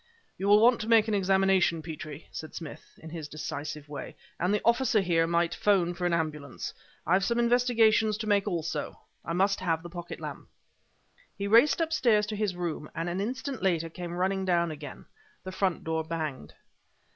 "You will want to make an examination, Petrie," said Smith in his decisive way, "and the officer here might 'phone for the ambulance. I have some investigations to make also. I must have the pocket lamp." He raced upstairs to his room, and an instant later came running down again. The front door banged.